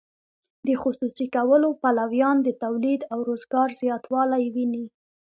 د خصوصي کولو پلویان د تولید او روزګار زیاتوالی ویني.